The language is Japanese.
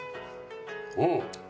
うん。